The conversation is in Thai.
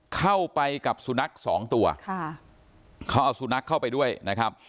เข้าไปกับสุนัขสองตัวค่ะเขาเอาสุนัขเข้าไปด้วยนะครับ